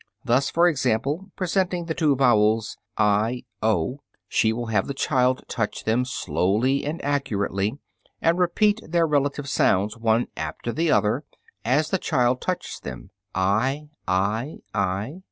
Thus, for example, presenting the two vowels i, o, she will have the child touch them slowly and accurately, and repeat their relative sounds one after the other as the child touches them, "i, i, i!